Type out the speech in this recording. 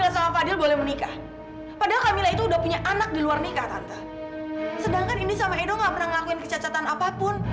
sampai jumpa di video selanjutnya